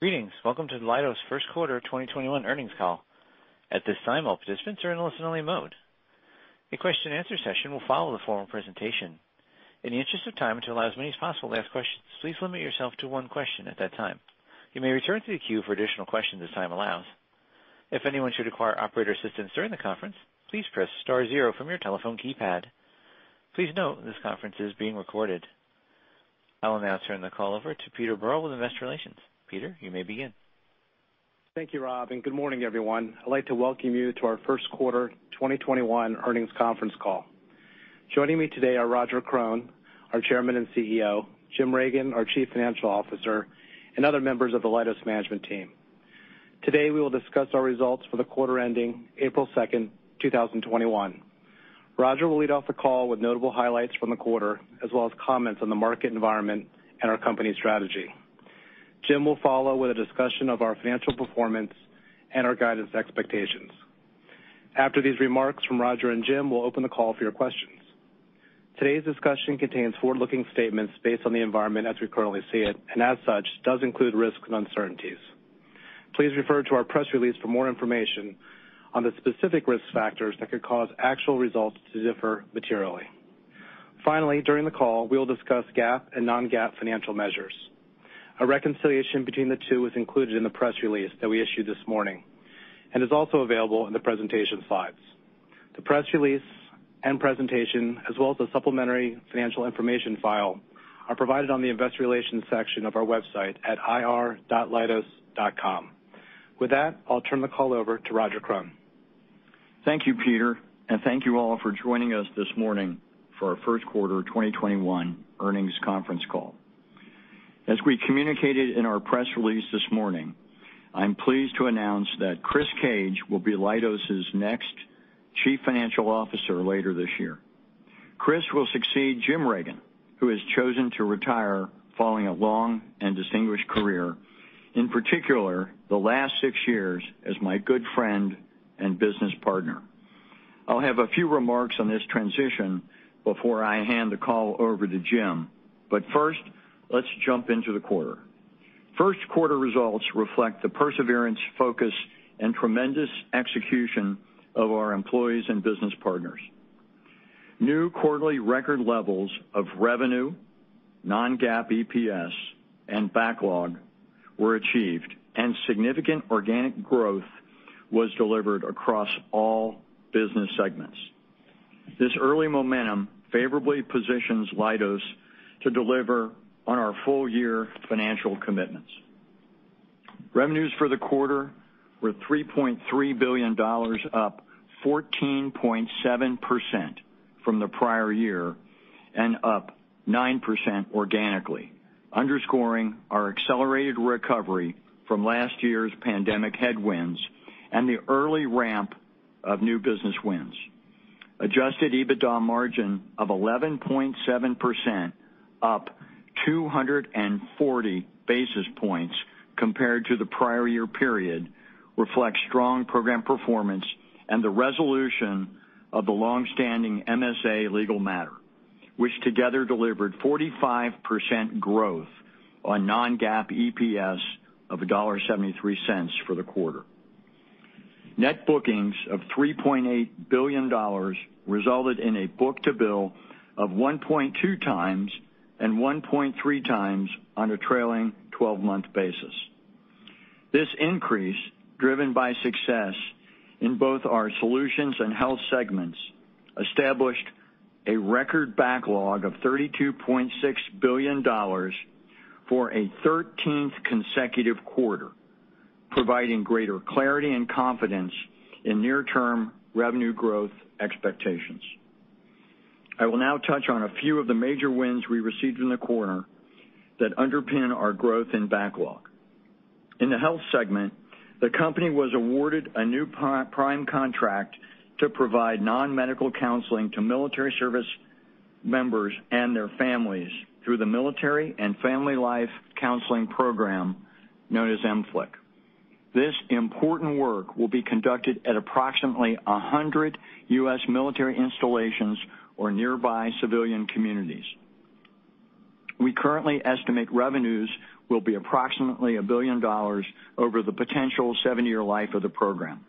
Greetings. Welcome to Leidos' first quarter 2021 earnings call. At this time, all participants are in listen-only mode. A question-and-answer session will follow the formal presentation. In the interest of time, to allow as many as possible to ask questions, please limit yourself to one question at that time. You may return to the queue for additional questions as time allows. If anyone should require operator assistance during the conference, please press star zero from your telephone keypad. Please note this conference is being recorded. I will now turn the call over to Peter Berl with Investor Relations. Peter, you may begin. Thank you, Rob. Good morning, everyone. I'd like to welcome you to our first quarter 2021 earnings conference call. Joining me today are Roger Krone, our Chairman and CEO, Jim Reagan, our Chief Financial Officer, and other members of the Leidos management team. Today, we will discuss our results for the quarter ending April 2nd, 2021. Roger will lead off the call with notable highlights from the quarter, as well as comments on the market environment and our company strategy. Jim will follow with a discussion of our financial performance and our guidance expectations. After these remarks from Roger and Jim, we'll open the call for your questions. Today's discussion contains forward-looking statements based on the environment as we currently see it, and as such, does include risks and uncertainties. Please refer to our press release for more information on the specific risk factors that could cause actual results to differ materially. Finally, during the call, we will discuss GAAP and non-GAAP financial measures. A reconciliation between the two is included in the press release that we issued this morning and is also available in the presentation slides. The press release and presentation, as well as a supplementary financial information file, are provided on the investor relations section of our website at ir.leidos.com. With that, I'll turn the call over to Roger Krone. Thank you, Peter, and thank you all for joining us this morning for our first quarter 2021 earnings conference call. As we communicated in our press release this morning, I'm pleased to announce that Chris Cage will be Leidos' next Chief Financial Officer later this year. Chris will succeed Jim Reagan, who has chosen to retire following a long and distinguished career. In particular, the last six years as my good friend and business partner. I'll have a few remarks on this transition before I hand the call over to Jim. First, let's jump into the quarter. First quarter results reflect the perseverance, focus, and tremendous execution of our employees and business partners. New quarterly record levels of revenue, non-GAAP EPS, and backlog were achieved, and significant organic growth was delivered across all business segments. This early momentum favorably positions Leidos to deliver on our full-year financial commitments. Revenues for the quarter were $3.3 billion, up 14.7% from the prior year and up 9% organically, underscoring our accelerated recovery from last year's pandemic headwinds and the early ramp of new business wins. Adjusted EBITDA margin of 11.7%, up 240 basis points compared to the prior year period, reflects strong program performance and the resolution of the longstanding MSA legal matter, which together delivered 45% growth on non-GAAP EPS of $1.73 for the quarter. Net bookings of $3.8 billion resulted in a book-to-bill of 1.2 times and 1.3 times on a trailing 12-month basis. This increase, driven by success in both our solutions and health segments, established a record backlog of $32.6 billion for a 13th consecutive quarter, providing greater clarity and confidence in near-term revenue growth expectations. I will now touch on a few of the major wins we received in the quarter that underpin our growth and backlog. In the health segment, the company was awarded a new prime contract to provide non-medical counseling to military service members and their families through the Military and Family Life Counseling program known as MFLC. This important work will be conducted at approximately 100 U.S. military installations or nearby civilian communities. We currently estimate revenues will be approximately $1 billion over the potential seven-year life of the program.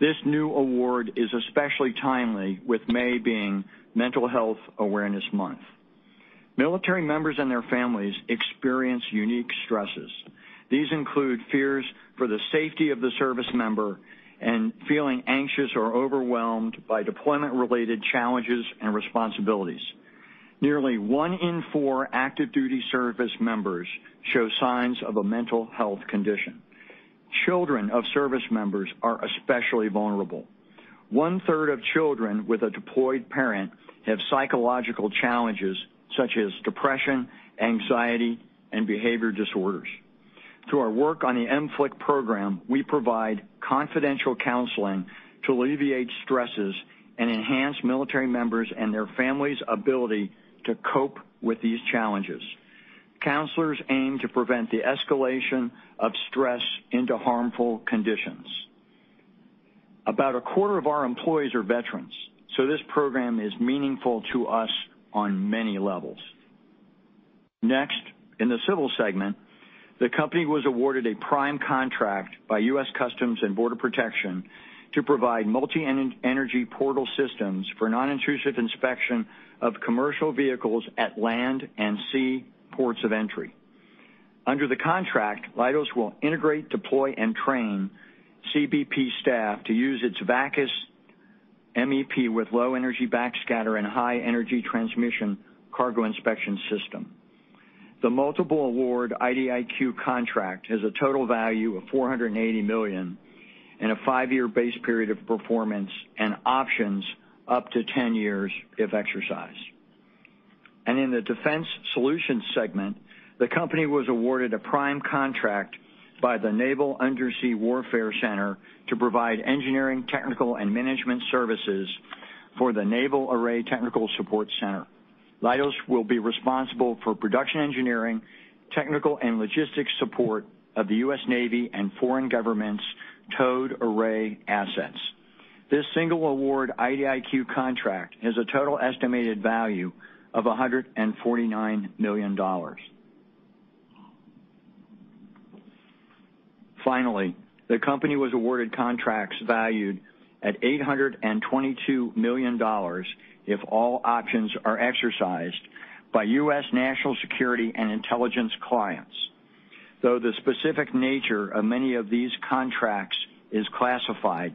This new award is especially timely with May being Mental Health Awareness Month. Military members and their families experience unique stresses. These include fears for the safety of the service member and feeling anxious or overwhelmed by deployment-related challenges and responsibilities. Nearly one in four active-duty service members show signs of a mental health condition. Children of service members are especially vulnerable. One-third of children with a deployed parent have psychological challenges such as depression, anxiety, and behavior disorders. Through our work on the MFLC program, we provide confidential counseling to alleviate stresses and enhance military members and their families' ability to cope with these challenges. Counselors aim to prevent the escalation of stress into harmful conditions. About a quarter of our employees are veterans, so this program is meaningful to us on many levels. Next, in the civil segment, the company was awarded a prime contract by U.S. Customs and Border Protection to provide multi-energy portal systems for non-intrusive inspection of commercial vehicles at land and sea ports of entry. Under the contract, Leidos will integrate, deploy, and train CBP staff to use its VACIS MEP with low energy backscatter and high energy transmission cargo inspection system. The multiple award IDIQ contract has a total value of $480 million and a five-year base period of performance and options up to 10 years if exercised. In the defense solutions segment, the company was awarded a prime contract by the Naval Undersea Warfare Center to provide engineering, technical and management services for the Naval Array Technical Support Center. Leidos will be responsible for production engineering, technical and logistics support of the U.S. Navy and foreign governments towed array assets. This single award IDIQ contract has a total estimated value of $149 million. Finally, the company was awarded contracts valued at $822 million if all options are exercised by U.S. National Security and Intelligence clients. Though the specific nature of many of these contracts is classified,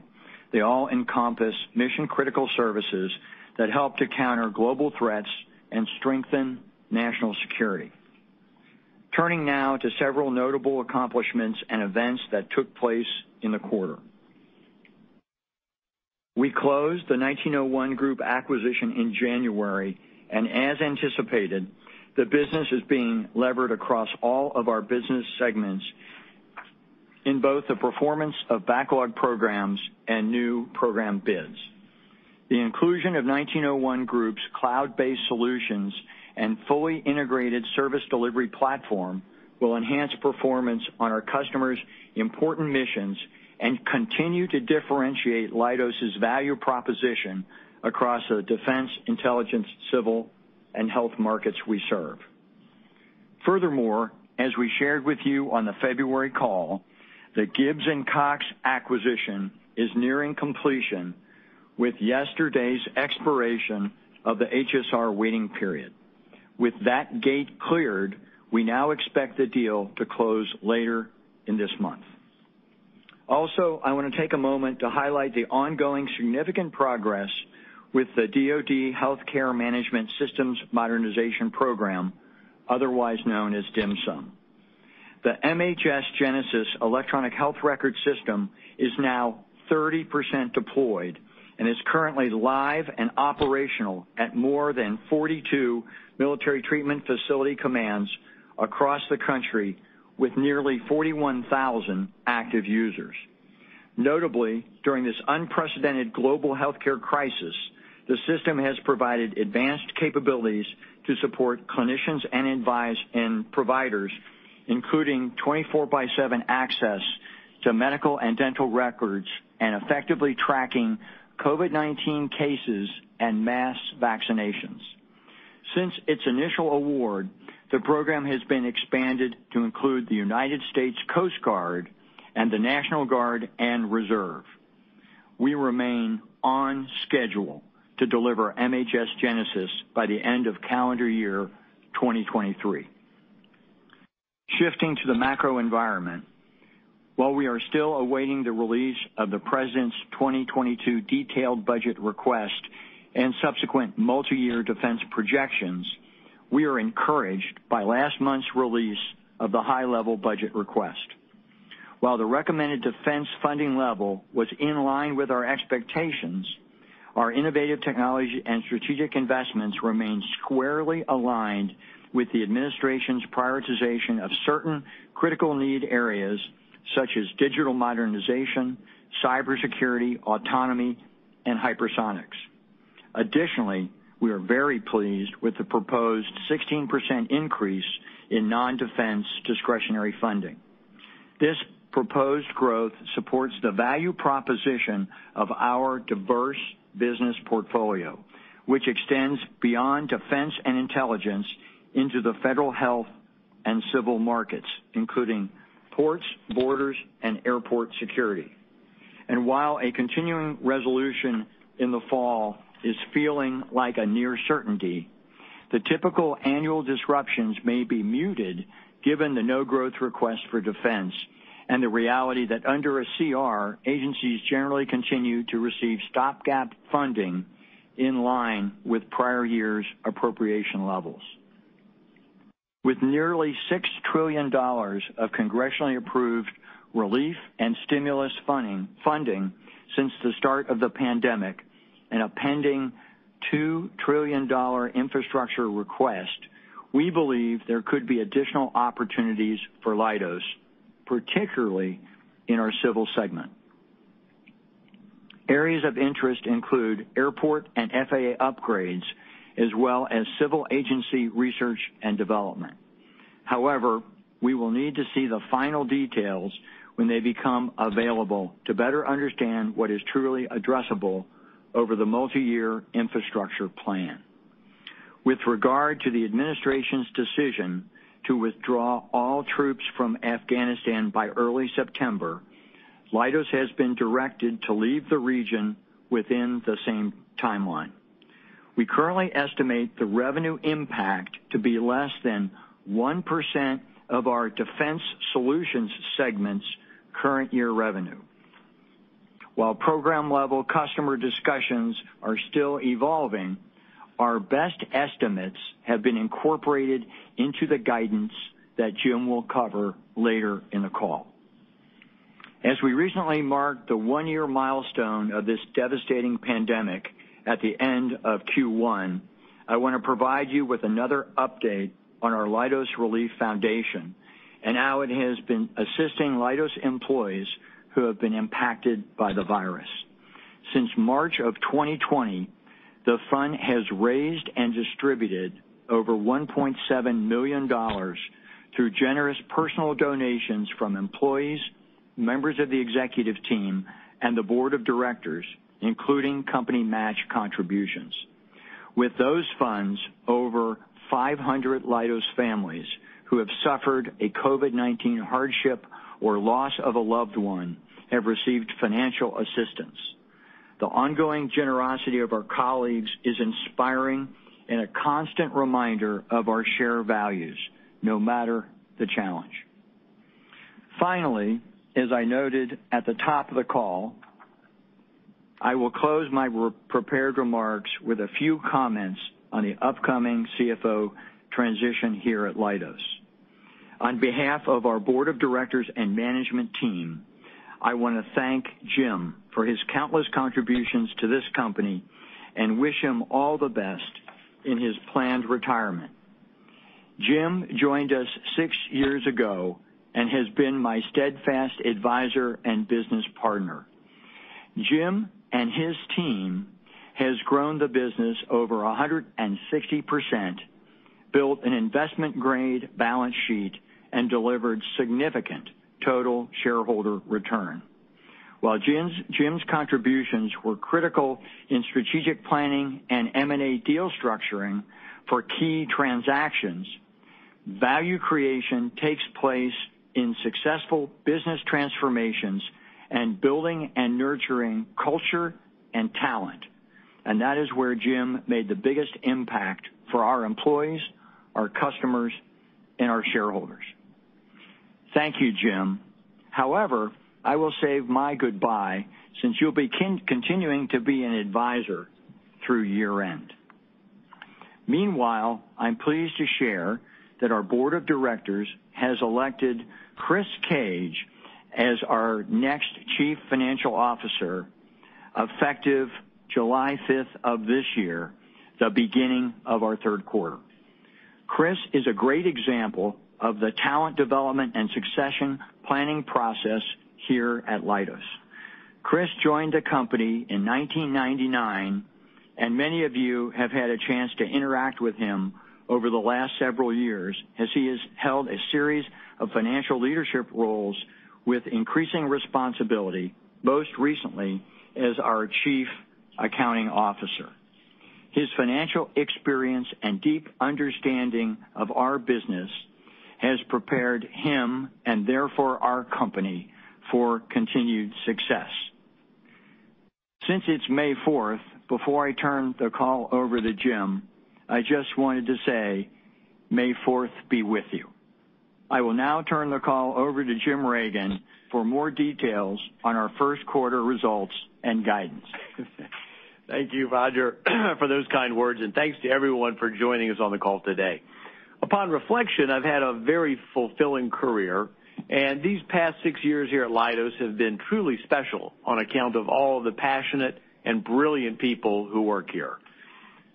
they all encompass mission-critical services that help to counter global threats and strengthen national security. Turning now to several notable accomplishments and events that took place in the quarter. We closed the 1901 Group acquisition in January, and as anticipated, the business is being levered across all of our business segments in both the performance of backlog programs and new program bids. The inclusion of 1901 Group's cloud-based solutions and fully integrated service delivery platform will enhance performance on our customers' important missions and continue to differentiate Leidos' value proposition across the defense, intelligence, civil, and health markets we serve. Furthermore, as we shared with you on the February call, the Gibbs & Cox acquisition is nearing completion with yesterday's expiration of the HSR waiting period. With that gate cleared, we now expect the deal to close later in this month. I want to take a moment to highlight the ongoing significant progress with the DoD Healthcare Management Systems Modernization program, otherwise known as DHMSM. The MHS GENESIS electronic health record system is now 30% deployed and is currently live and operational at more than 42 military treatment facility commands across the country with nearly 41,000 active users. Notably, during this unprecedented global healthcare crisis, the system has provided advanced capabilities to support clinicians and providers, including 24/7 access to medical and dental records, and effectively tracking COVID-19 cases and mass vaccinations. Since its initial award, the program has been expanded to include the United States Coast Guard and the National Guard and Reserve. We remain on schedule to deliver MHS GENESIS by the end of calendar year 2023. Shifting to the macro environment, while we are still awaiting the release of the President's 2022 detailed budget request and subsequent multi-year defense projections, we are encouraged by last month's release of the high-level budget request. While the recommended defense funding level was in line with our expectations, our innovative technology and strategic investments remain squarely aligned with the Administration's prioritization of certain critical need areas such as digital modernization, cybersecurity, autonomy and hypersonics. Additionally, we are very pleased with the proposed 16% increase in non-defense discretionary funding. This proposed growth supports the value proposition of our diverse business portfolio, which extends beyond defense and intelligence into the federal health and civil markets, including ports, borders, and airport security. While a continuing resolution in the fall is feeling like a near certainty, the typical annual disruptions may be muted given the no-growth request for defense and the reality that under a CR, agencies generally continue to receive stopgap funding in line with prior year's appropriation levels. With nearly $6 trillion of congressionally approved relief and stimulus funding since the start of the pandemic and a pending $2 trillion infrastructure request, we believe there could be additional opportunities for Leidos, particularly in our civil segment. Areas of interest include airport and FAA upgrades, as well as civil agency research and development. However, we will need to see the final details when they become available to better understand what is truly addressable over the multi-year infrastructure plan. With regard to the administration's decision to withdraw all troops from Afghanistan by early September, Leidos has been directed to leave the region within the same timeline. We currently estimate the revenue impact to be less than 1% of our defense solutions segment's current year revenue. While program-level customer discussions are still evolving, our best estimates have been incorporated into the guidance that Jim will cover later in the call. As we recently marked the one-year milestone of this devastating pandemic at the end of Q1, I want to provide you with another update on our Leidos Relief Foundation and how it has been assisting Leidos employees who have been impacted by the virus. Since March of 2020, the fund has raised and distributed over $1.7 million through generous personal donations from employees, members of the executive team, and the board of directors, including company match contributions. With those funds, over 500 Leidos families who have suffered a COVID-19 hardship or loss of a loved one have received financial assistance. The ongoing generosity of our colleagues is inspiring and a constant reminder of our shared values, no matter the challenge. Finally, as I noted at the top of the call, I will close my prepared remarks with a few comments on the upcoming CFO transition here at Leidos. On behalf of our board of directors and management team, I want to thank Jim for his countless contributions to this company and wish him all the best in his planned retirement. Jim joined us six years ago and has been my steadfast advisor and business partner. Jim and his team has grown the business over 160%, built an investment-grade balance sheet, and delivered significant total shareholder return. While Jim's contributions were critical in strategic planning and M&A deal structuring for key transactions, value creation takes place in successful business transformations and building and nurturing culture and talent, and that is where Jim made the biggest impact for our employees, our customers, and our shareholders. Thank you, Jim. I will save my goodbye since you'll be continuing to be an advisor through year-end. I'm pleased to share that our board of directors has elected Chris Cage as our next Chief Financial Officer effective July 5th of this year, the beginning of our third quarter. Chris is a great example of the talent development and succession planning process here at Leidos. Chris joined the company in 1999, and many of you have had a chance to interact with him over the last several years as he has held a series of financial leadership roles with increasing responsibility, most recently as our Chief Accounting Officer. His financial experience and deep understanding of our business has prepared him, and therefore our company, for continued success. Since it's May 4th, before I turn the call over to Jim, I just wanted to say, May 4th be with you. I will now turn the call over to Jim Reagan for more details on our first quarter results and guidance. Thank you, Roger, for those kind words, and thanks to everyone for joining us on the call today. Upon reflection, I've had a very fulfilling career, and these past six years here at Leidos have been truly special on account of all the passionate and brilliant people who work here.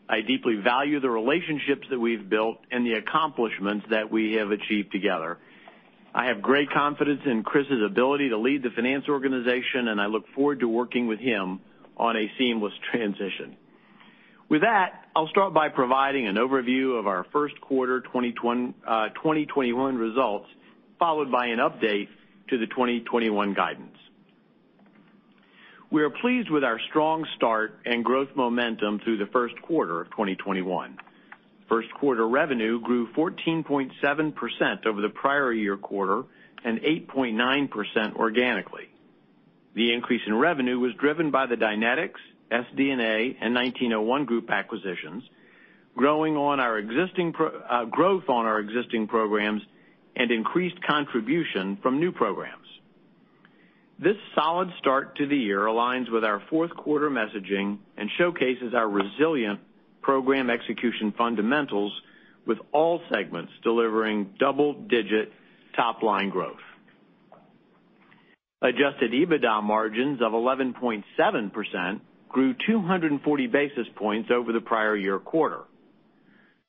I deeply value the relationships that we've built and the accomplishments that we have achieved together. I have great confidence in Chris's ability to lead the finance organization, and I look forward to working with him on a seamless transition. With that, I'll start by providing an overview of our first quarter 2021 results, followed by an update to the 2021 guidance. We are pleased with our strong start and growth momentum through the first quarter of 2021. First quarter revenue grew 14.7% over the prior year quarter and 8.9% organically. The increase in revenue was driven by the Dynetics, SD&A, and 1901 Group acquisitions, growth on our existing programs, and increased contribution from new programs. This solid start to the year aligns with our fourth quarter messaging and showcases our resilient program execution fundamentals with all segments delivering double-digit top-line growth. Adjusted EBITDA margins of 11.7% grew 240 basis points over the prior year quarter.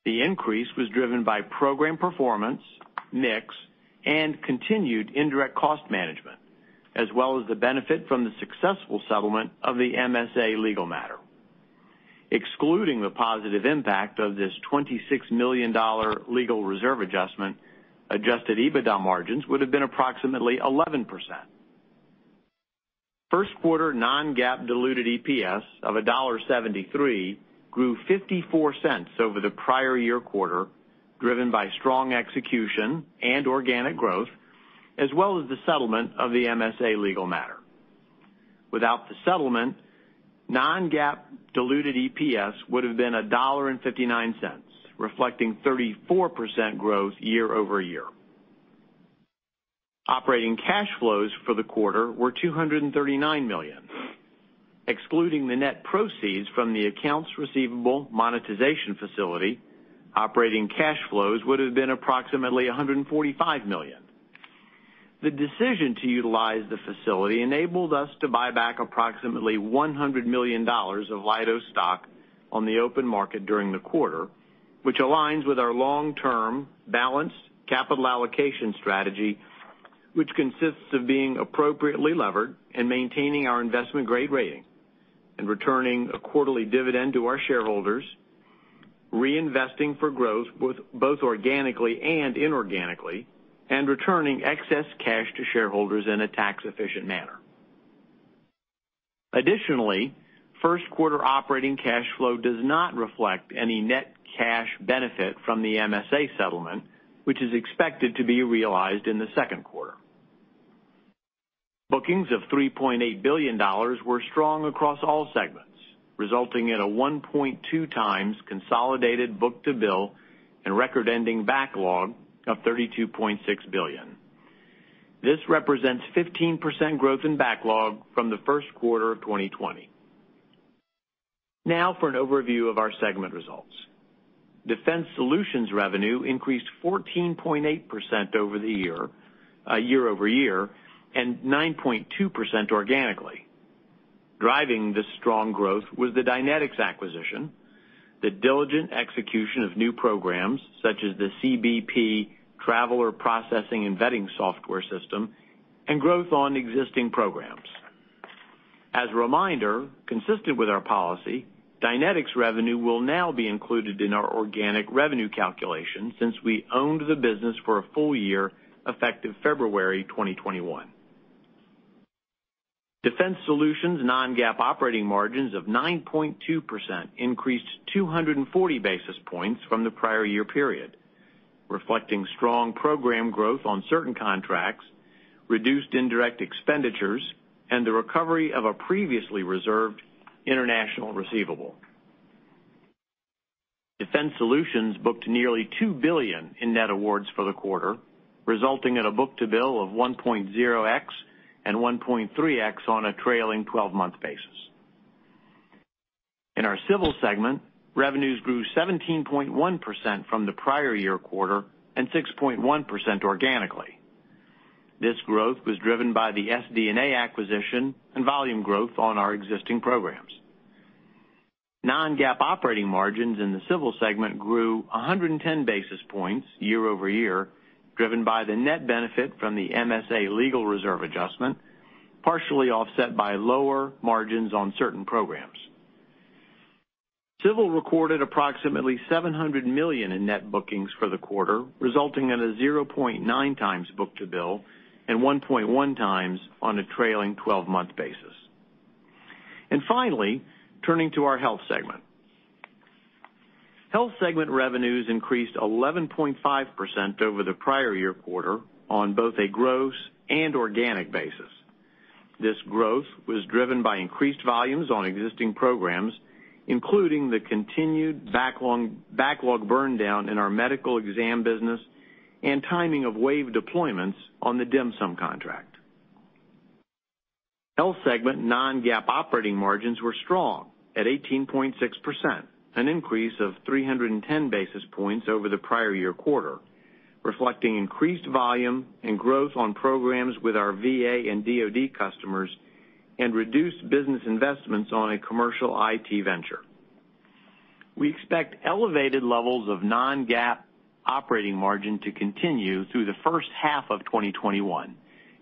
The increase was driven by program performance, mix, and continued indirect cost management, as well as the benefit from the successful settlement of the MSA legal matter. Excluding the positive impact of this $26 million legal reserve adjustment, Adjusted EBITDA margins would've been approximately 11%. First quarter non-GAAP diluted EPS of $1.73 grew $0.54 over the prior year quarter, driven by strong execution and organic growth, as well as the settlement of the MSA legal matter. Without the settlement, non-GAAP diluted EPS would've been $1.59, reflecting 34% growth year-over-year. Operating cash flows for the quarter were $239 million. Excluding the net proceeds from the accounts receivable monetization facility, operating cash flows would've been approximately $145 million. The decision to utilize the facility enabled us to buy back approximately $100 million of Leidos stock on the open market during the quarter, which aligns with our long-term balanced capital allocation strategy, which consists of being appropriately levered and maintaining our investment-grade rating, and returning a quarterly dividend to our shareholders, reinvesting for growth both organically and inorganically, and returning excess cash to shareholders in a tax-efficient manner. Additionally, first quarter operating cash flow does not reflect any net cash benefit from the MSA settlement, which is expected to be realized in the second quarter. Bookings of $3.8 billion were strong across all segments, resulting in a 1.2 times consolidated book-to-bill and record-ending backlog of $32.6 billion. This represents 15% growth in backlog from the first quarter of 2020. For an overview of our segment results. Defense Solutions revenue increased 14.8% year-over-year and 9.2% organically. Driving this strong growth was the Dynetics acquisition, the diligent execution of new programs such as the CBP Traveler Processing and Vetting Software system, and growth on existing programs. As a reminder, consistent with our policy, Dynetics revenue will now be included in our organic revenue calculation since we owned the business for a full year effective February 2021. Defense Solutions non-GAAP operating margins of 9.2% increased 240 basis points from the prior year period, reflecting strong program growth on certain contracts, reduced indirect expenditures, and the recovery of a previously reserved international receivable. Defense Solutions booked nearly $2 billion in net awards for the quarter, resulting in a book-to-bill of 1.0x and 1.3x on a trailing 12-month basis. In our Civil segment, revenues grew 17.1% from the prior year quarter and 6.1% organically. This growth was driven by the SD&A acquisition and volume growth on our existing programs. Non-GAAP operating margins in the Civil segment grew 110 basis points year-over-year, driven by the net benefit from the MSA legal reserve adjustment, partially offset by lower margins on certain programs. Civil recorded approximately $700 million in net bookings for the quarter, resulting in a 0.9 times book-to-bill and 1.1 times on a trailing 12-month basis. Finally, turning to our Health segment. Health segment revenues increased 11.5% over the prior year quarter on both a gross and organic basis. This growth was driven by increased volumes on existing programs, including the continued backlog burn-down in our medical exam business and timing of wave deployments on the DHMSM contract. Health segment non-GAAP operating margins were strong at 18.6%, an increase of 310 basis points over the prior year quarter, reflecting increased volume and growth on programs with our VA and DOD customers and reduced business investments on a commercial IT venture. We expect elevated levels of non-GAAP operating margin to continue through the first half of 2021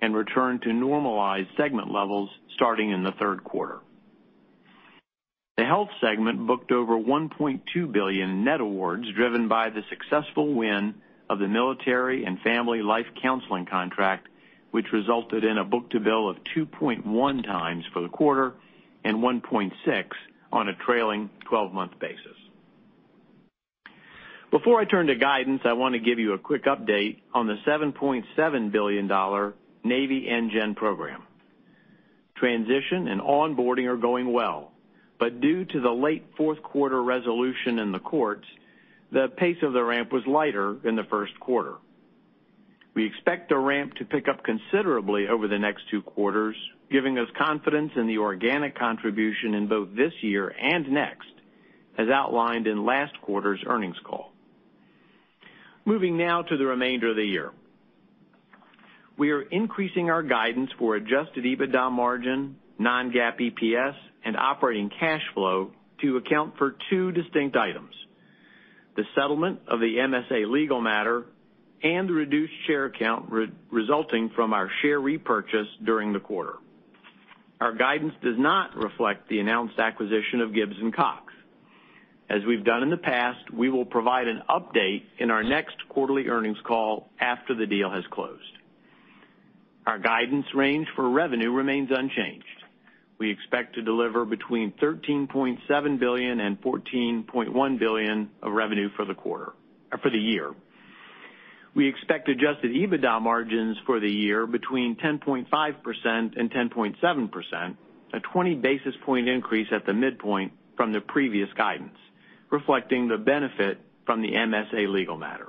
and return to normalized segment levels starting in the third quarter. The Health segment booked over $1.2 billion in net awards driven by the successful win of the Military and Family Life Counseling contract, which resulted in a book-to-bill of 2.1 times for the quarter and 1.6 on a trailing 12-month basis. Before I turn to guidance, I want to give you a quick update on the $7.7 billion Navy NGEN program. Transition and onboarding are going well, but due to the late fourth quarter resolution in the courts, the pace of the ramp was lighter in the first quarter. We expect the ramp to pick up considerably over the next two quarters, giving us confidence in the organic contribution in both this year and next as outlined in last quarter's earnings call. Moving now to the remainder of the year. We are increasing our guidance for Adjusted EBITDA margin, non-GAAP EPS, and operating cash flow to account for two distinct items. The settlement of the MSA legal matter and the reduced share count resulting from our share repurchase during the quarter. Our guidance does not reflect the announced acquisition of Gibbs & Cox. As we've done in the past, we will provide an update in our next quarterly earnings call after the deal has closed. Our guidance range for revenue remains unchanged. We expect to deliver between $13.7 billion and $14.1 billion of revenue for the year. We expect Adjusted EBITDA margins for the year between 10.5% and 10.7%, a 20-basis point increase at the midpoint from the previous guidance, reflecting the benefit from the MSA legal matter.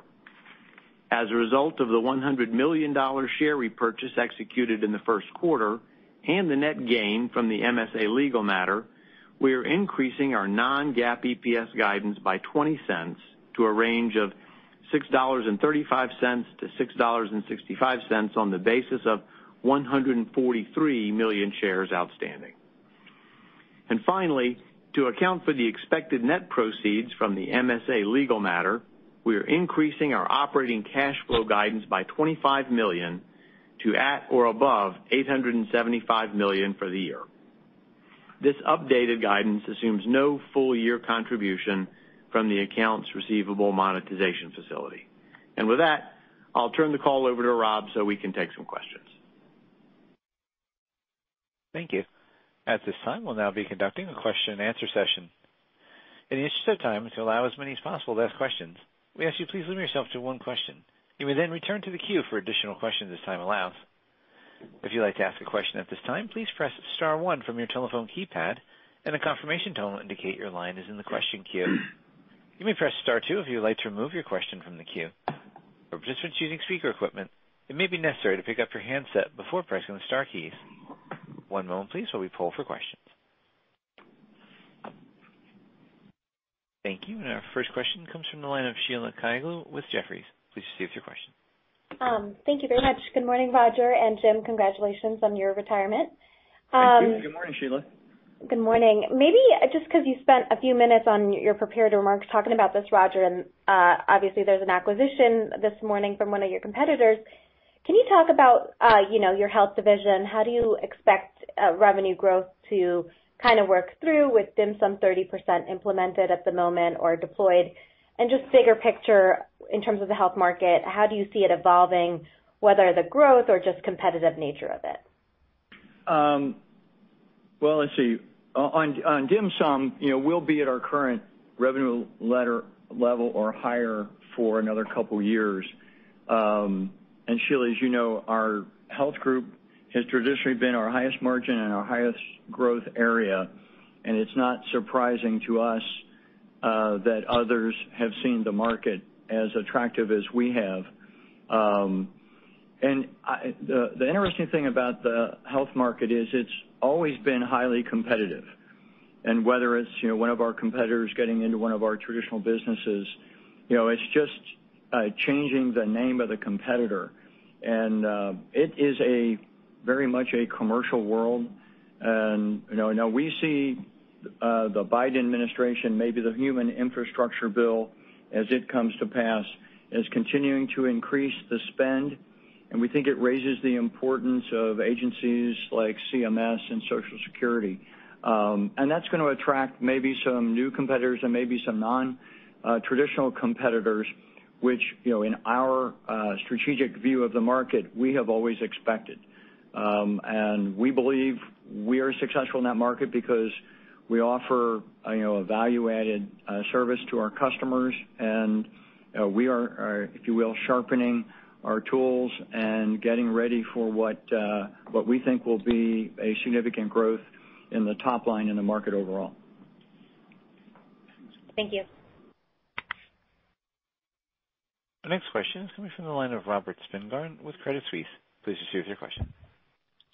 As a result of the $100 million share repurchase executed in the first quarter and the net gain from the MSA legal matter, we are increasing our non-GAAP EPS guidance by $0.20 to a range of $6.35-$6.65 on the basis of 143 million shares outstanding. Finally, to account for the expected net proceeds from the MSA legal matter, we are increasing our operating cash flow guidance by $25 million to at or above $875 million for the year. This updated guidance assumes no full-year contribution from the accounts receivable monetization facility. With that, I'll turn the call over to Rob so we can take some questions. Thank you. At this time, we'll now be conducting a question and answer session. In the interest of time, to allow as many as possible to ask questions, we ask you please limit yourself to one question. You may then return to the queue for additional questions as time allows. Thank you. Our first question comes from the line of Sheila Kahyaoglu with Jefferies. Please proceed with your question. Thank you very much. Good morning, Roger, and Jim, congratulations on your retirement. Thank you. Good morning, Sheila. Good morning. Maybe just because you spent a few minutes on your prepared remarks talking about this, Roger. Obviously, there's an acquisition this morning from one of your competitors. Can you talk about your health division? How do you expect revenue growth to kind of work through with DHMSM 30% implemented at the moment or deployed? Just bigger picture in terms of the health market, how do you see it evolving, whether the growth or just competitive nature of it? Well, let's see. On DHMSM, we'll be at our current revenue level or higher for another couple of years. Sheila, as you know, our health group has traditionally been our highest margin and our highest growth area, and it's not surprising to us that others have seen the market as attractive as we have. The interesting thing about the health market is it's always been highly competitive, and whether it's one of our competitors getting into one of our traditional businesses, it's just changing the name of the competitor. It is very much a commercial world. Now we see the Biden administration, maybe the human infrastructure bill, as it comes to pass, is continuing to increase the spend, and we think it raises the importance of agencies like CMS and Social Security. That's going to attract maybe some new competitors and maybe some nontraditional competitors, which in our strategic view of the market, we have always expected. We believe we are successful in that market because we offer a value-added service to our customers, and we are, if you will, sharpening our tools and getting ready for what we think will be a significant growth in the top line in the market overall. Thank you. The next question is coming from the line of Robert Spingarn with Credit Suisse. Please proceed with your question.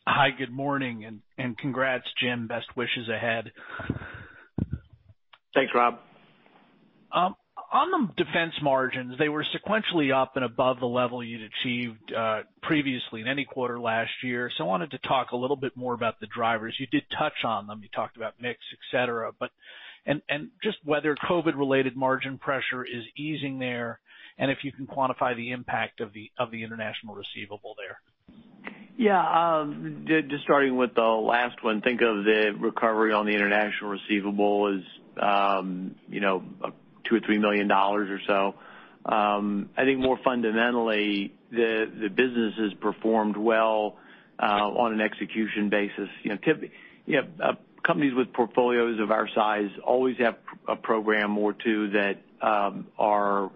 Hi, good morning, and congrats, Jim. Best wishes ahead. Thanks, Rob. On the defense margins, they were sequentially up and above the level you'd achieved previously in any quarter last year. I wanted to talk a little bit more about the drivers. You did touch on them. You talked about mix, et cetera, and just whether COVID related margin pressure is easing there, and if you can quantify the impact of the international receivable there. Yeah. Just starting with the last one, think of the recovery on the international receivable as $2 or $3 million or so. I think more fundamentally, the business has performed well on an execution basis. Companies with portfolios of our size always have a program or two that are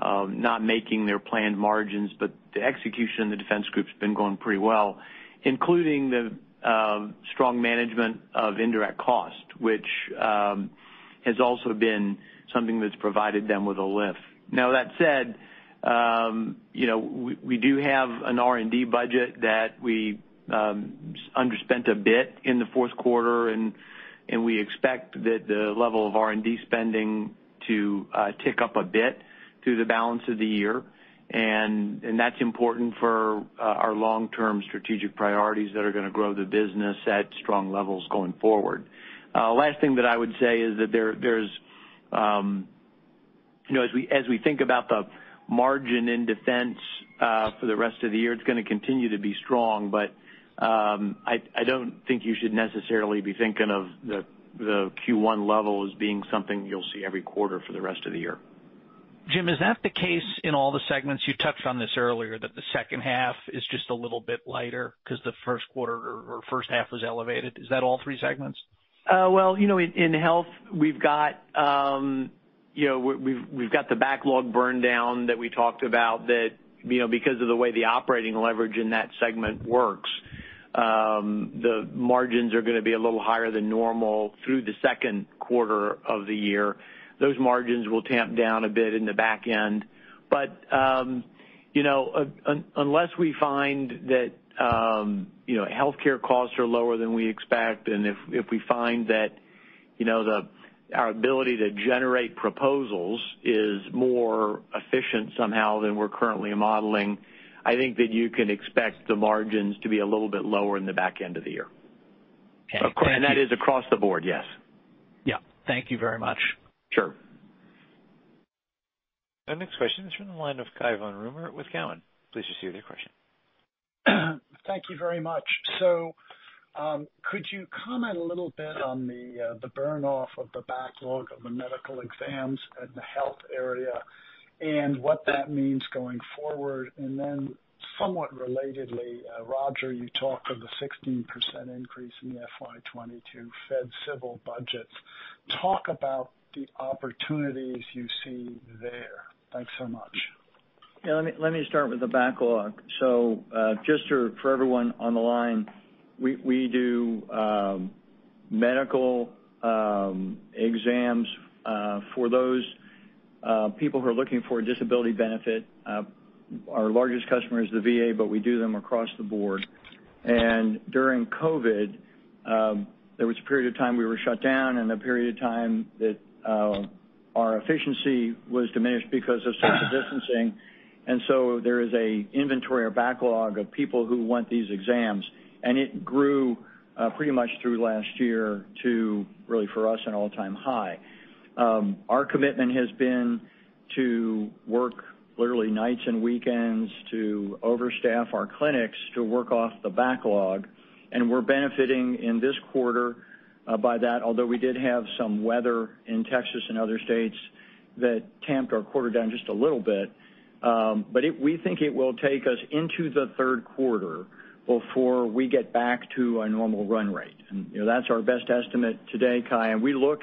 not making their planned margins, but the execution in the Defense Group's been going pretty well, including the strong management of indirect cost, which has also been something that's provided them with a lift. Now, that said, we do have an R&D budget that we underspent a bit in the fourth quarter, and we expect that the level of R&D spending to tick up a bit through the balance of the year. That's important for our long-term strategic priorities that are going to grow the business at strong levels going forward. Last thing that I would say is that as we think about the margin in defense for the rest of the year, it's going to continue to be strong, but I don't think you should necessarily be thinking of the Q1 level as being something you'll see every quarter for the rest of the year. Jim, is that the case in all the segments? You touched on this earlier, that the second half is just a little bit lighter because the first quarter or first half was elevated. Is that all three segments? Well, in Health, we've got the backlog burn down that we talked about that because of the way the operating leverage in that segment works, the margins are going to be a little higher than normal through the second quarter of the year. Those margins will tamp down a bit in the back end. Unless we find that healthcare costs are lower than we expect, and if we find that our ability to generate proposals is more efficient somehow than we're currently modeling, I think that you can expect the margins to be a little bit lower in the back end of the year. Okay. Thank you. That is across the board, yes. Yeah. Thank you very much. Sure. Our next question is from the line of Cai von Rumohr with Cowen. Please proceed with your question. Thank you very much. Could you comment a little bit on the burn-off of the backlog of the medical exams in the health area and what that means going forward? Somewhat relatedly, Roger, you talked of the 16% increase in the FY 2022 Fed civil budgets. Talk about the opportunities you see there. Thanks so much. Yeah, let me start with the backlog. Just for everyone on the line, we do medical exams for those people who are looking for a disability benefit. Our largest customer is the VA, but we do them across the board. During COVID, there was a period of time we were shut down and a period of time that our efficiency was diminished because of social distancing. There is an inventory or backlog of people who want these exams, and it grew pretty much through last year to, really for us, an all-time high. Our commitment has been to work literally nights and weekends to overstaff our clinics to work off the backlog. We're benefiting in this quarter by that, although we did have some weather in Texas and other states that tamped our quarter down just a little bit. We think it will take us into the third quarter before we get back to a normal run rate. That's our best estimate today, Cai. The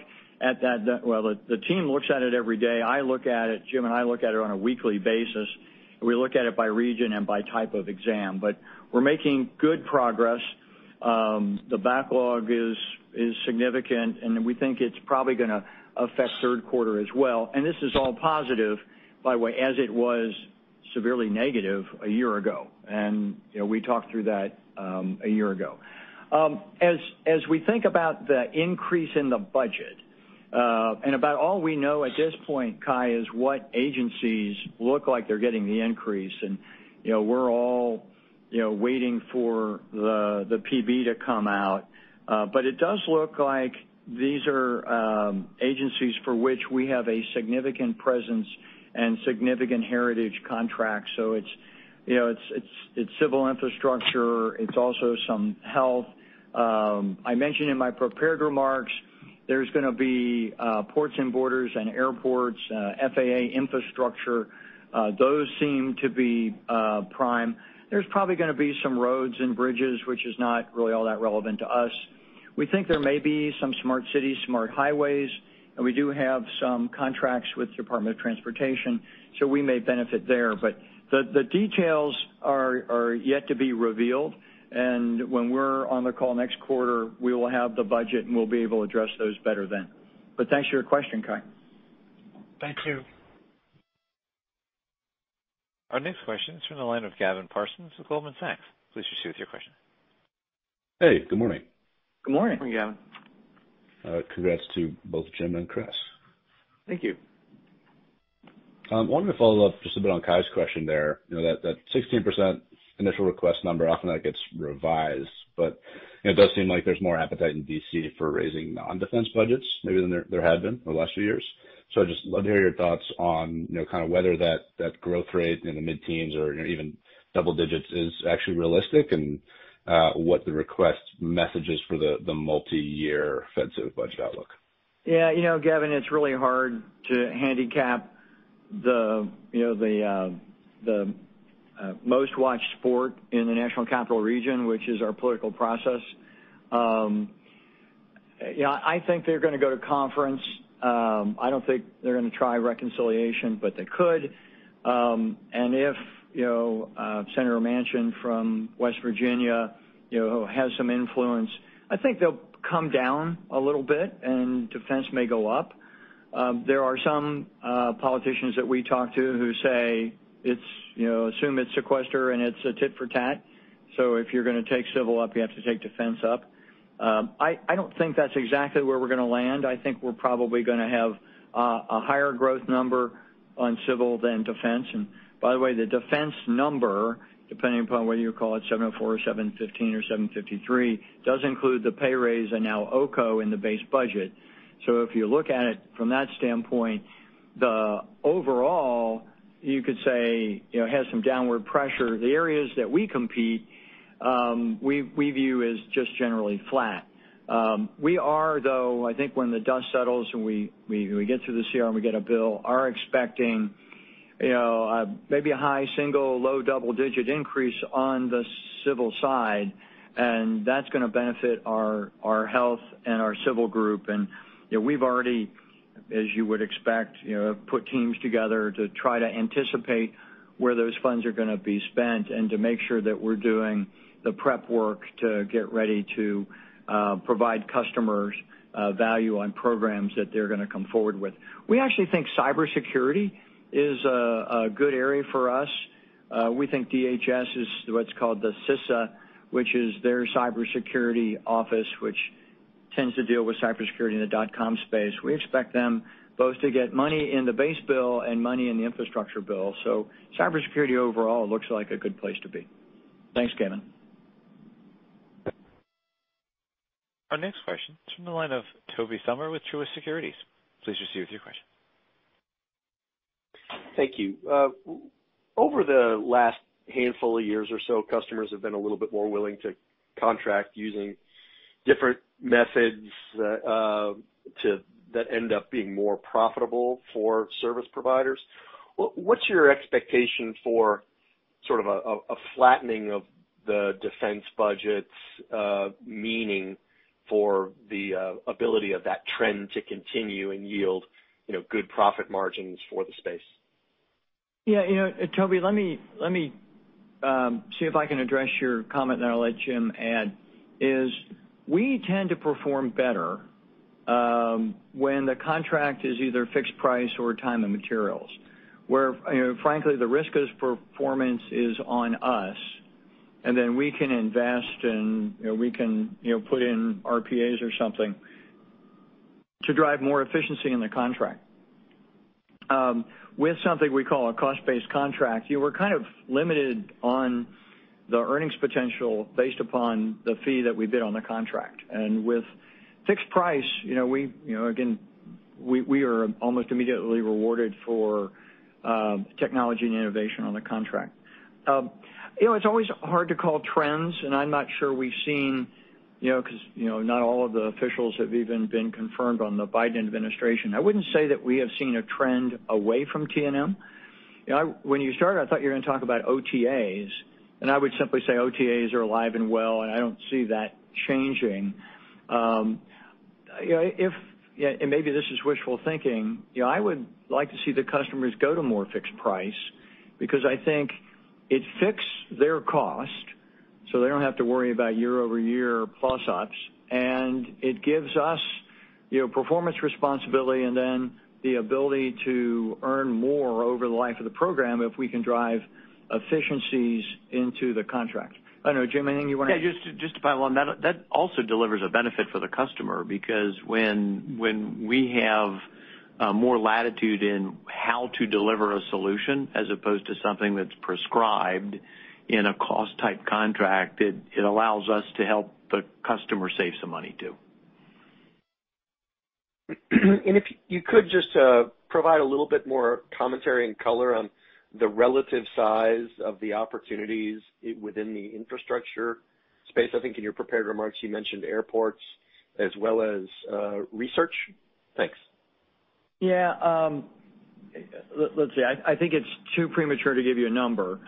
team looks at it every day. Jim and I look at it on a weekly basis, and we look at it by region and by type of exam. We're making good progress. The backlog is significant, and we think it's probably going to affect third quarter as well. This is all positive, by the way, as it was severely negative a year ago. We talked through that a year ago. As we think about the increase in the budget, and about all we know at this point, Cai, is what agencies look like they're getting the increase. We're all waiting for the PB to come out. It does look like these are agencies for which we have a significant presence and significant heritage contracts. It's civil infrastructure. It's also some health. I mentioned in my prepared remarks, there's going to be ports and borders and airports, FAA infrastructure. Those seem to be prime. There's probably going to be some roads and bridges, which is not really all that relevant to us. We think there may be some smart cities, smart highways, and we do have some contracts with Department of Transportation, so we may benefit there. The details are yet to be revealed. When we're on the call next quarter, we will have the budget and we'll be able to address those better then. Thanks for your question, Cai. Thank you. Our next question is from the line of Gavin Parsons with Goldman Sachs. Please proceed with your question. Hey, good morning. Good morning. Good morning, Gavin. Congrats to both Jim and Chris. Thank you. I wanted to follow up just a bit on Cai's question there. That 16% initial request number often gets revised, but it does seem like there's more appetite in D.C. for raising non-defense budgets maybe than there had been the last few years. I'd just love to hear your thoughts on kind of whether that growth rate in the mid-teens or even double digits is actually realistic and what the request message is for the multi-year defensive budget outlook. Yeah. Gavin, it's really hard to handicap the most watched sport in the National Capital Region, which is our political process. I think they're going to go to conference. I don't think they're going to try reconciliation, but they could. If Senator Manchin from West Virginia, who has some influence, I think they'll come down a little bit and defense may go up. There are some politicians that we talk to who say, "Assume it's sequestered and it's a tit for tat. If you're going to take civil up, you have to take defense up." I don't think that's exactly where we're going to land. I think we're probably going to have a higher growth number on civil than defense. By the way, the defense number, depending upon whether you call it $704 or $715 or $753, does include the pay raise and now OCO in the base budget. If you look at it from that standpoint, the overall, you could say, has some downward pressure. The areas that we compete; we view as just generally flat. We are, though, I think when the dust settles and we get through the CR and we get a bill, are expecting maybe a high single, low double-digit increase on the civil side, and that's going to benefit our Health and our Civil Group. We've already, as you would expect, put teams together to try to anticipate where those funds are going to be spent and to make sure that we're doing the prep work to get ready to provide customers value on programs that they're going to come forward with. We actually think cybersecurity is a good area for us. We think DHS is what's called the CISA, which is their cybersecurity office, which tends to deal with cybersecurity in the dotcom space. We expect them both to get money in the base bill and money in the infrastructure bill. Cybersecurity overall looks like a good place to be. Thanks, Gavin. Our next question is from the line of Tobey Sommer with Truist Securities. Please proceed with your question. Thank you. Over the last handful of years or so, customers have been a little bit more willing to contract using different methods that end up being more profitable for service providers. What's your expectation for sort of a flattening of the defense budgets, meaning for the ability of that trend to continue and yield good profit margins for the space? Yeah, Tobey, let me see if I can address your comment, and then I'll let Jim add, is we tend to perform better when the contract is either fixed price or time and materials. Where frankly, the risk of performance is on us, and then we can invest and we can put in RPAs or something to drive more efficiency in the contract. With something we call a cost-based contract, you are kind of limited on the earnings potential based upon the fee that we bid on the contract. With fixed price, again, we are almost immediately rewarded for technology and innovation on the contract. It's always hard to call trends, and I'm not sure we've seen, because not all of the officials have even been confirmed on the Biden administration. I wouldn't say that we have seen a trend away from T&M. When you started, I thought you were going to talk about OTAs. I would simply say OTAs are alive and well. I don't see that changing. Maybe this is wishful thinking, I would like to see the customers go to more fixed price because I think it fixed their cost. They don't have to worry about year-over-year plus-ups. It gives us performance responsibility, then the ability to earn more over the life of the program if we can drive efficiencies into the contract. I don't know, Jim, anything you want to add? Yeah, just to pile on that. That also delivers a benefit for the customer because when we have more latitude in how to deliver a solution as opposed to something that's prescribed in a cost-type contract, it allows us to help the customer save some money, too. If you could just provide a little bit more commentary and color on the relative size of the opportunities within the infrastructure space. I think in your prepared remarks, you mentioned airports as well as research. Thanks. Yeah. Let's see. I think it's too premature to give you a number.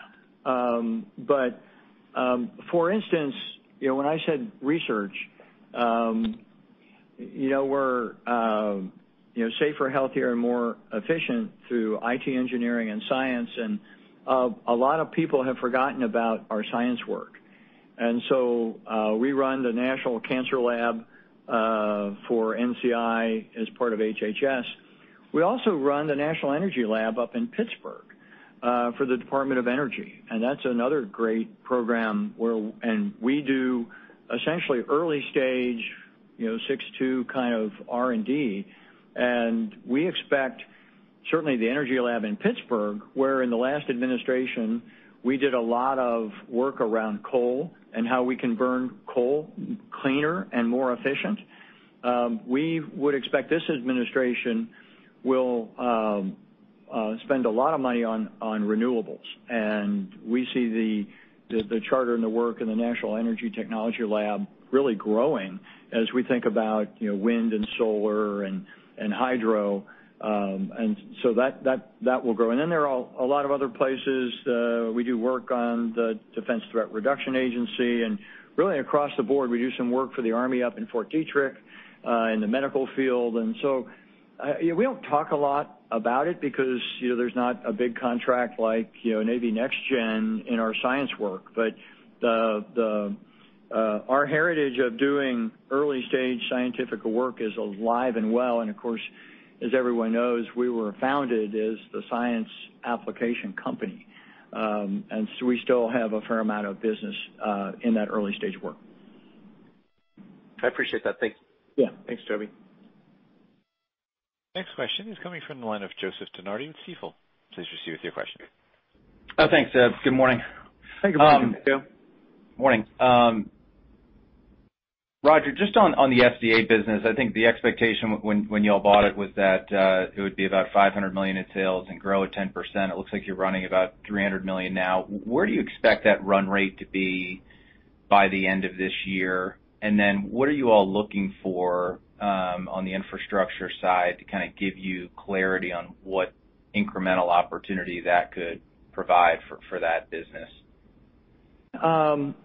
For instance, when I said research, we're safer, healthier, and more efficient through IT engineering and science, and a lot of people have forgotten about our science work. So, we run the National Cancer Lab, for NCI as part of HHS. We also run the National Energy Lab up in Pittsburgh, for the Department of Energy, and that's another great program. We do essentially early-stage, six-two kind of R&D. We expect, certainly the Energy Lab in Pittsburgh, where in the last administration, we did a lot of work around coal and how we can burn coal cleaner and more efficient. We would expect this administration will spend a lot of money on renewables. We see the charter and the work in the National Energy Technology Laboratory really growing as we think about wind and solar and hydro. That will grow. There are a lot of other places. We do work on the Defense Threat Reduction Agency, and really across the board. We do some work for the Army up in Fort Detrick, in the medical field. We don't talk a lot about it because there's not a big contract like Navy NGEN in our science work. Our heritage of doing early-stage scientific work is alive and well, and of course, as everyone knows, we were founded as the science application company. We still have a fair amount of business in that early-stage work. I appreciate that. Thank you. Yeah. Thanks, Tobey. Next question is coming from the line of Joseph DeNardi with Stifel. Please proceed with your question. Thanks, Ed. Good morning. Thank you. Good morning, Joe. Morning. Roger, just on the SD&A business, I think the expectation when y'all bought it was that it would be about $500 million in sales and grow at 10%. It looks like you're running about $300 million now. Where do you expect that run rate to be by the end of this year? What are you all looking for on the infrastructure side to kind of give you clarity on what incremental opportunity that could provide for that business?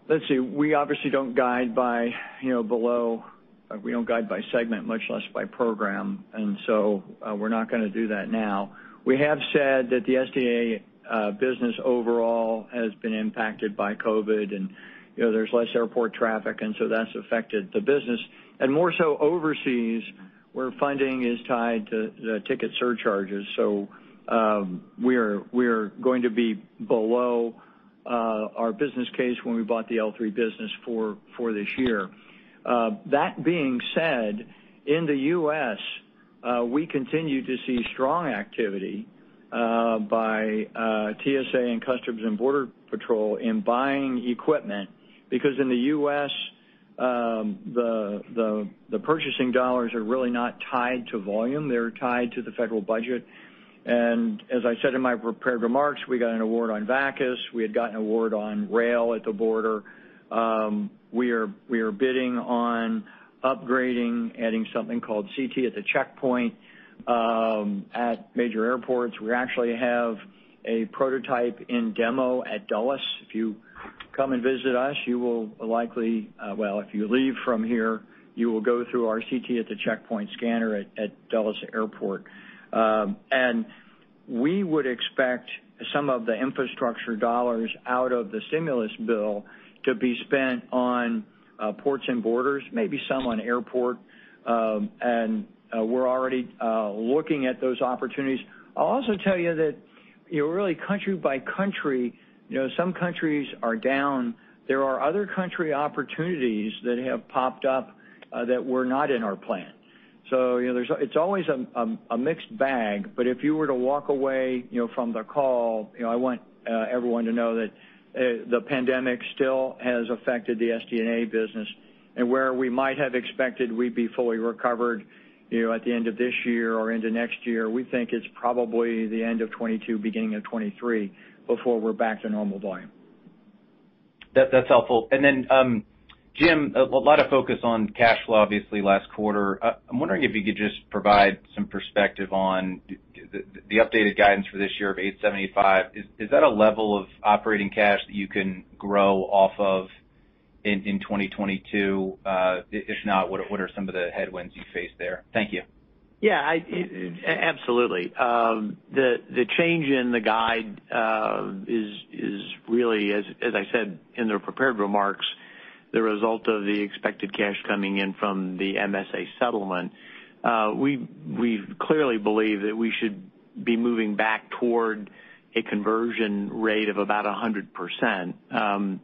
Let's see. We obviously don't guide by below. We don't guide by segment, much less by program. So we're not going to do that now. We have said that the SD&A business overall has been impacted by COVID and there's less airport traffic, and so that's affected the business. More so overseas, where funding is tied to the ticket surcharges. So, we're going to be below our business case when we bought the L3 business for this year. That being said, in the U.S., we continue to see strong activity by TSA and U.S. Customs and Border Protection in buying equipment, because in the U.S., the purchasing dollars are really not tied to volume, they're tied to the federal budget. As I said in my prepared remarks, we got an award on VACIS. We had got an award on rail at the border. We are bidding on upgrading, adding something called CT at the checkpoint at major airports. We actually have a prototype in demo at Dulles. If you come and visit us, Well, if you leave from here, you will go through our CT at the checkpoint scanner at Dulles Airport. We would expect some of the infrastructure dollars out of the stimulus bill to be spent on ports and borders, maybe some on airport. We're already looking at those opportunities. I'll also tell you that really country by country, some countries are down. There are other country opportunities that have popped up that were not in our plan. It's always a mixed bag, but if you were to walk away from the call, I want everyone to know that the pandemic still has affected the SD&A business. Where we might have expected we'd be fully recovered at the end of this year or into next year, we think it's probably the end of 2022, beginning of 2023, before we're back to normal volume. That's helpful. Jim, a lot of focus on cash flow, obviously last quarter. I'm wondering if you could just provide some perspective on the updated guidance for this year of $875. Is that a level of operating cash that you can grow off of in 2022? If not, what are some of the headwinds you face there? Thank you. Yeah. Absolutely. The change in the guide is really, as I said in the prepared remarks, the result of the expected cash coming in from the MSA settlement. We clearly believe that we should be moving back toward a conversion rate of about 100%.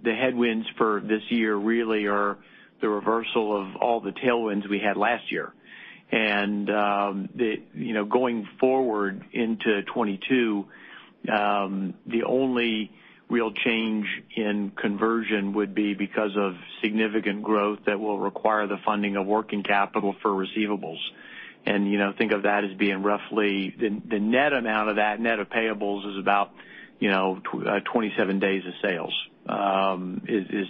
The headwinds for this year really are the reversal of all the tailwinds we had last year. Going forward into 2022, the only real change in conversion would be because of significant growth that will require the funding of working capital for receivables. Think of that as being roughly the net amount of that, net of payables is about 27 days of sales, is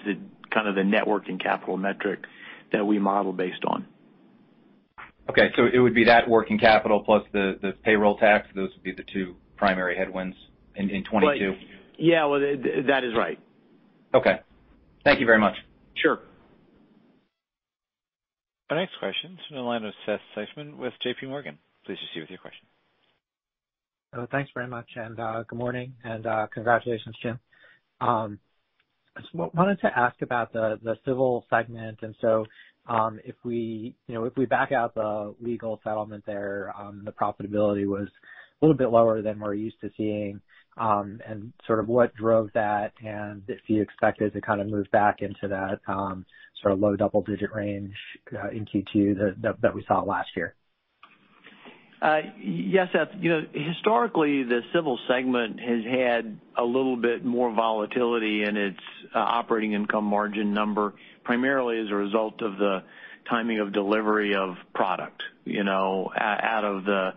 kind of the networking capital metric that we model based on. Okay. It would be that working capital plus the payroll tax, those would be the two primary headwinds in 2022? Yeah. That is right. Okay. Thank you very much. Sure. Our next questions from the line of Seth Seifman with J.P. Morgan. Please proceed with your question. Thanks very much. Good morning. Congratulations, Jim. If we back out the legal settlement there, the profitability was a little bit lower than we're used to seeing. What drove that, and if you expect it to kind of move back into that sort of low double-digit range in Q2 that we saw last year? Yes, Seth. Historically, the civil segment has had a little bit more volatility in its operating income margin number, primarily as a result of the timing of delivery of product out of the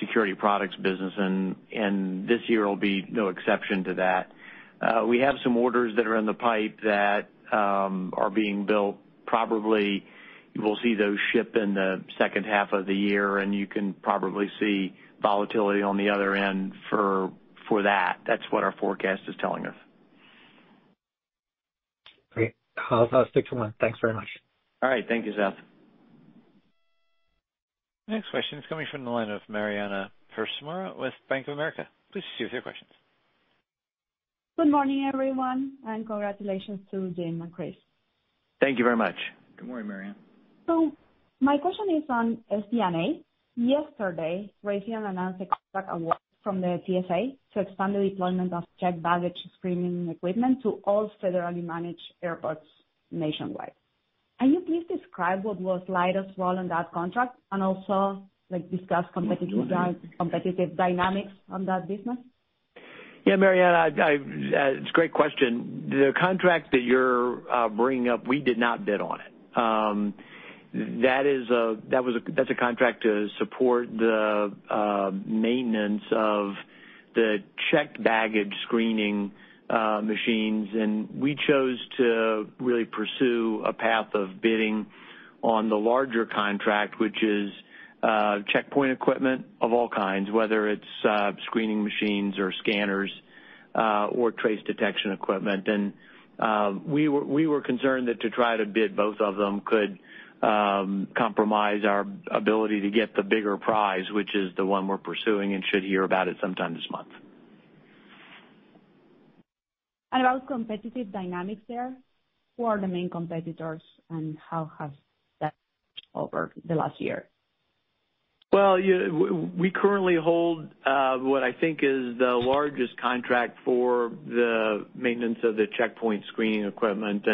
security products business. This year will be no exception to that. We have some orders that are in the pipe that are being built. Probably, we'll see those ship in the second half of the year, and you can probably see volatility on the other end for that. That's what our forecast is telling us. Great. I'll stick to one. Thanks very much. All right. Thank you, Seth. Next question is coming from the line of Mariana Pérez Mora with Bank of America. Please proceed with your questions. Good morning, everyone, and congratulations to Jim and Chris. Thank you very much. Good morning, Mariana. My question is on SD&A. Yesterday, Raytheon announced a contract award from the TSA to expand the deployment of checked baggage screening equipment to all federally managed airports nationwide. Can you please describe what was Leidos' role in that contract and also discuss competitive dynamics on that business? Yeah, Mariana, it's a great question. The contract that you're bringing up, we did not bid on it. That's a contract to support the maintenance of the checked baggage screening machines. We chose to really pursue a path of bidding on the larger contract, which is checkpoint equipment of all kinds, whether it's screening machines or scanners or trace detection equipment. We were concerned that to try to bid both of them could compromise our ability to get the bigger prize, which is the one we're pursuing, and should hear about it sometime this month. About competitive dynamics there, who are the main competitors and how has that over the last year? Well, we currently hold what I think is the largest contract for the maintenance of the checkpoint screening equipment.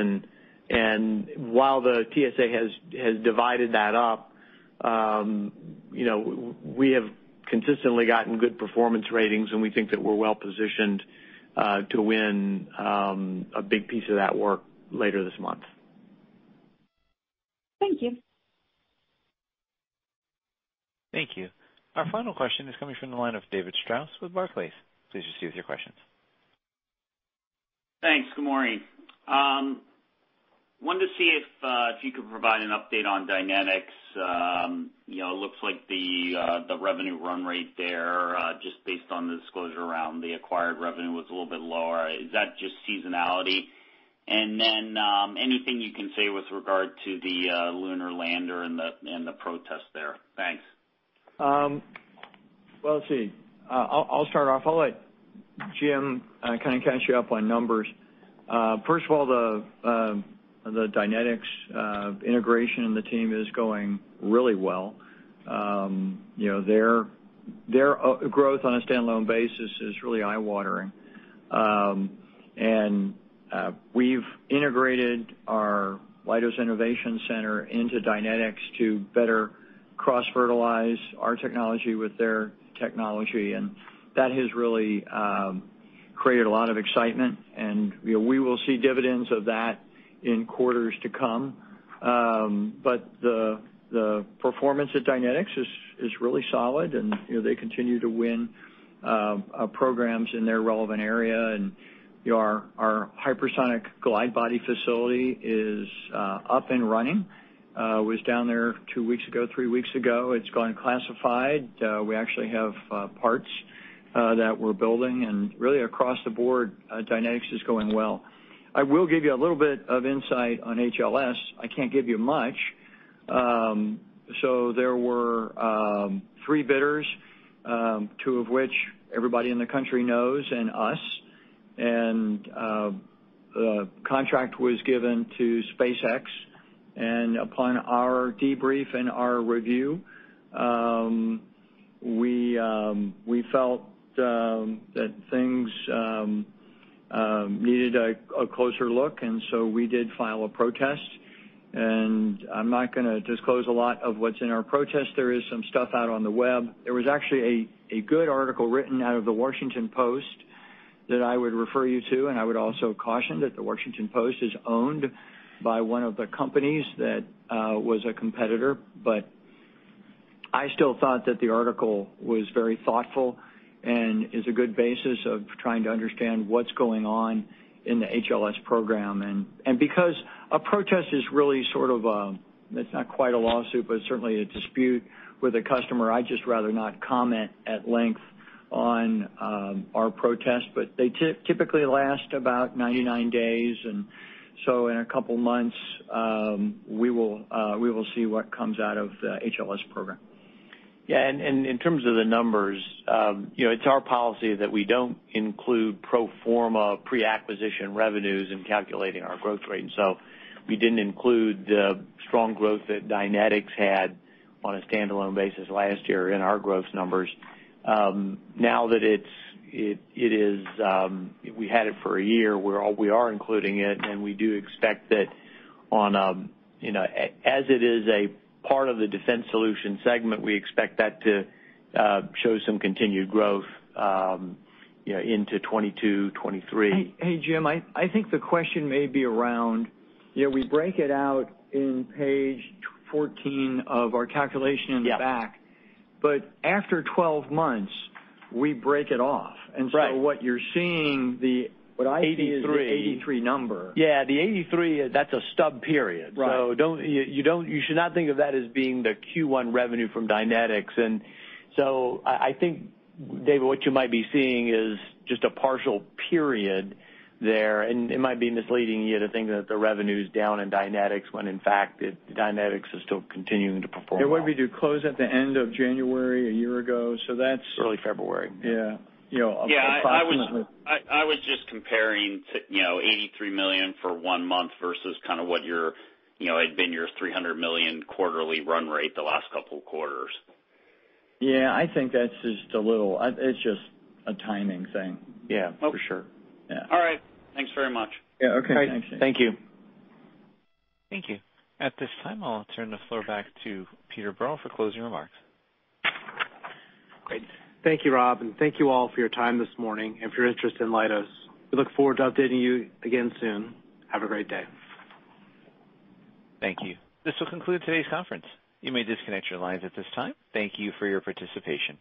While the TSA has divided that up, we have consistently gotten good performance ratings, and we think that we're well-positioned to win a big piece of that work later this month. Thank you. Thank you. Our final question is coming from the line of David Strauss with Barclays. Please proceed with your questions. Thanks. Good morning. Wanted to see if you could provide an update on Dynetics. It looks like the revenue run rate there, just based on the disclosure around the acquired revenue, was a little bit lower. Is that just seasonality? Anything you can say with regard to the lunar lander and the protest there. Thanks. Well, let's see. I'll start off. I'll let Jim kind of catch you up on numbers. First of all, the Dynetics integration in the team is going really well. Their growth on a standalone basis is really eye-watering. We've integrated our Leidos Innovations Center into Dynetics to better cross-fertilize our technology with their technology, and that has really created a lot of excitement. We will see dividends of that in quarters to come. The performance at Dynetics is really solid, and they continue to win programs in their relevant area. Our hypersonic glide body facility is up and running. Was down there two weeks ago, three weeks ago. It's gone classified. We actually have parts that we're building, and really across the board, Dynetics is going well. I will give you a little bit of insight on HLS. I can't give you much. There were three bidders, two of which everybody in the country knows and us. The contract was given to SpaceX. Upon our debrief and our review, we felt that things needed a closer look. We did file a protest. I'm not going to disclose a lot of what's in our protest. There is some stuff out on the web. There was actually a good article written out of "The Washington Post" that I would refer you to. I would also caution that "The Washington Post" is owned by one of the companies that was a competitor. I still thought that the article was very thoughtful and is a good basis of trying to understand what's going on in the HLS program. Because a protest is really sort of a, it's not quite a lawsuit, but certainly a dispute with a customer, I'd just rather not comment at length on our protest. They typically last about 99 days. In a couple of months, we will see what comes out of the HLS program. In terms of the numbers, it's our policy that we don't include pro forma pre-acquisition revenues in calculating our growth rate. We didn't include the strong growth that Dynetics had on a standalone basis last year in our growth numbers. Now that we had it for a year, we are including it, and we do expect that as it is a part of the Defense Solutions segment, we expect that to show some continued growth into 2022, 2023. Hey, Jim, I think the question may be around. We break it out in Page 14 of our calculation in the back. Yeah. After 12 months, we break it off. Right. What you're seeing, what I see is the 83 number. Yeah. The 83, that's a stub period. Right. You should not think of that as being the Q1 revenue from Dynetics. I think, David, what you might be seeing is just a partial period there. It might be misleading you to think that the revenue's down in Dynetics when in fact, Dynetics is still continuing to perform well. What did we do, close at the end of January a year ago? Early February. Yeah. A approximate. I was just comparing $83 million for one month versus kind of what had been your $300 million quarterly run rate the last couple of quarters. Yeah. I think that's just a timing thing. Yeah. For sure. Yeah. All right. Thanks very much. Yeah. Okay. All right. Thank you. Thank you. At this time, I'll turn the floor back to Peter Berl for closing remarks. Great. Thank you, Rob, and thank you all for your time this morning and for your interest in Leidos. We look forward to updating you again soon. Have a great day. Thank you. This will conclude today's conference. You may disconnect your lines at this time. Thank you for your participation.